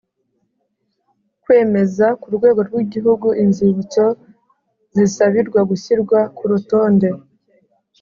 Kwemeza ku rwego rw igihugu inzibutso zisabirwa gushyirwa ku rutonde